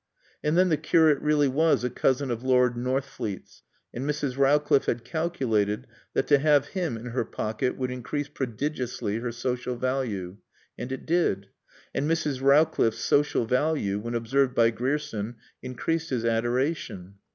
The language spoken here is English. And then the Curate really was a cousin of Lord Northfleet's and Mrs. Rowcliffe had calculated that to have him in her pocket would increase prodigiously her social value. And it did. And Mrs. Rowcliffe's social value, when observed by Grierson, increased his adoration.